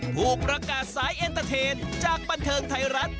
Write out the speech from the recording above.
ผู้ประกาศสายเอ็นเตอร์เทนจากบันเทิงไทยรัฐ